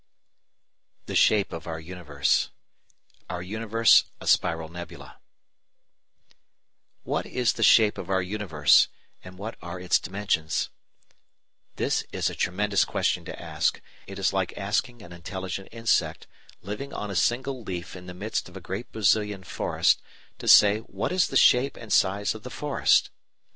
THE SHAPE OF OUR UNIVERSE § 4 Our Universe a Spiral Nebula What is the shape of our universe, and what are its dimensions? This is a tremendous question to ask. It is like asking an intelligent insect, living on a single leaf in the midst of a great Brazilian forest, to say what is the shape and size of the forest.